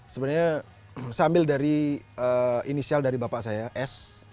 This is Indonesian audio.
sebenarnya saya ambil dari inisial dari bapak saya s